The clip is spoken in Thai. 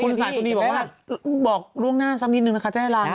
คุณสายสุนีบอกว่าบอกล่วงหน้าสักนิดนึงนะคะจะให้ไลน์